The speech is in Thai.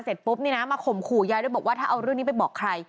เสร็จปุ๊บนี่นะมาข่มขู่ยายด้วยบอกว่าถ้าเอาเรื่องนี้ไปบอกใคร